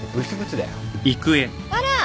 あら。